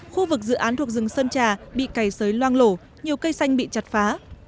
khu vực dự án thuộc rừng sơn trà bị cày sới loang lổ nhiều cây xanh bị chặt phá